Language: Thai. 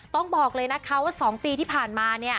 ต้องบอกเลยนะคะว่า๒ปีที่ผ่านมา